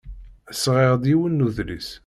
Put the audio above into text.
Sɣiɣ-d yiwen n udlis.